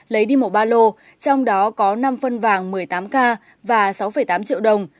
lấy đi một ba lô trong đó có năm phân vàng một mươi tám k và sáu tám triệu đồng